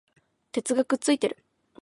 鉄がくっついている